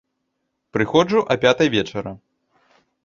Прыходжу а пятай вечара.